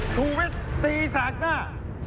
ทูวิทตีสักหน้า